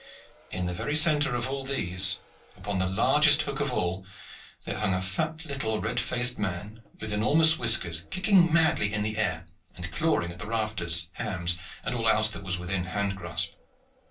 In the very centre of all these, upon the largest hook of all, there hung a fat little red faced man with enormous whiskers, kicking madly in the air and clawing at rafters, hams, and all else that was within hand grasp.